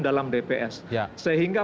dalam dps sehingga